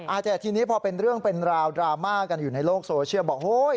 อาจจะทีนี้พอเป็นเรื่องเป็นราวดราม่ากันอยู่ในโลกโซเชียลบอกโฮ